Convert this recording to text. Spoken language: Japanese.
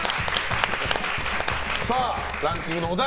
ランキングのお題